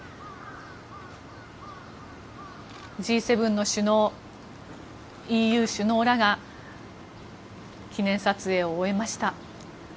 Ｇ７の首脳、ＥＵ首脳らが記念撮影を終えました。